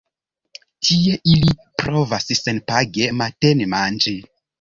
Tie ili provas senpage matenmanĝi.